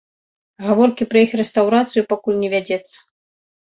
Гаворкі пра іх рэстаўрацыю пакуль не вядзецца.